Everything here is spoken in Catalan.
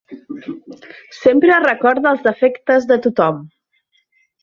Sempre recorda els defectes de tothom.